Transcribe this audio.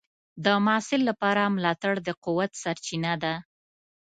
د محصل لپاره ملاتړ د قوت سرچینه ده.